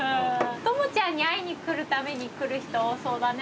トモちゃんに会いに来るために来る人多そうだね。